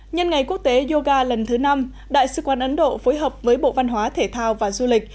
nhân ngày quốc tế yoga lần thứ năm đại sứ quán ấn độ phối hợp với bộ văn hóa thể thao và du lịch